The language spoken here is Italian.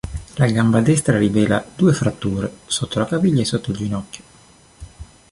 La gamba destra rivela due fratture; sotto la caviglia e sotto il ginocchio.